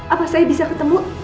apa saya bisa ketemu